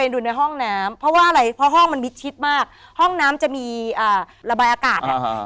ดูในห้องน้ำเพราะว่าอะไรเพราะห้องมันมิดชิดมากห้องน้ำจะมีระบายอากาศ